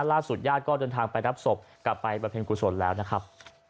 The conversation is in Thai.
ญาติก็เดินทางไปรับศพกลับไปประเพ็ญกุศลแล้วนะครับ